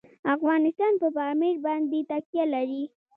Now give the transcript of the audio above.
افغانستان په پامیر باندې تکیه لري.